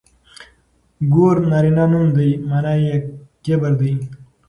ګور نرينه نوم دی مانا يې کبر دی.